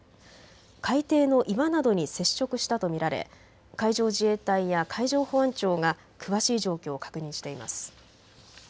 海底の岩などに接触したと見られ海上自衛隊や海上保安庁が詳しい状況を確認しています。